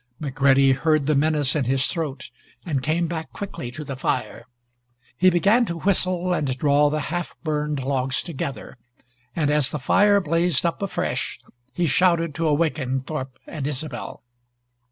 McCready heard the menace in his throat and came back quickly to the fire. He began to whistle and draw the half burned logs together, and as the fire blazed up afresh he shouted to awaken Thorp and Isobel.